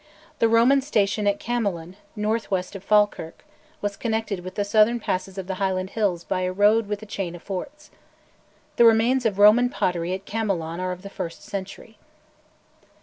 The Roman station at Camelon, north west of Falkirk, was connected with the southern passes of the Highland hills by a road with a chain of forts. The remains of Roman pottery at Camelon are of the first century.